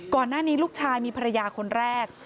ก่อนหน้านี้ลูกชายมีภรรยาคนแรก